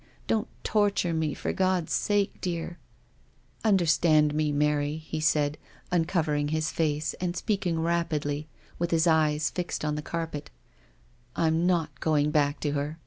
Don't torture me, for God's sake, dear !"" Understand me, Mary," he said, uncover ing his face and speaking rapidly, with his eyes fixed on the carpet, " I'm not going back to her.